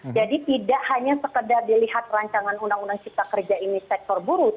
jadi tidak hanya sekedar dilihat rancangan undang undang cipta kerja ini sektor buruh